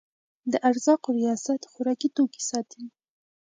د ارزاقو ریاست خوراکي توکي ساتي